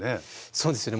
そうですよね。